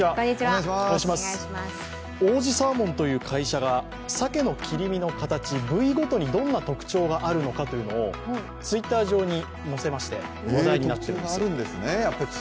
王子サーモンという会社がさけの切り身の形、部位ごとにどんな特徴があるのかというのをＴｗｉｔｔｅｒ上に載せまして話題になっています。